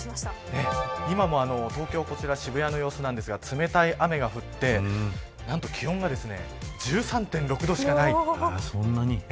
今も東京こちら渋谷の様子なんですが冷たい雨が降って何と気温は１３．６度しかない。